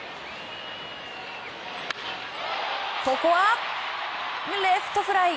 ここはレフトフライ。